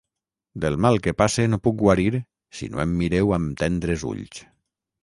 Del mal que passe no puc guarir, si no em mireu amb tendres ulls.